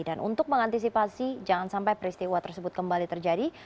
dan untuk mengantisipasi jangan sampai peristiwa tersebut kembali terjadi